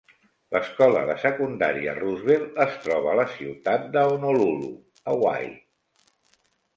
L'escola de secundària Roosevelt es troba a la ciutat de Honolulu, Hawaii.